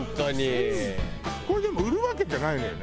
これでも売るわけじゃないのよね？